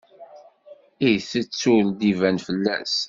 Itett ur d-iban fell-as.